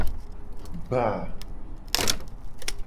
Gba.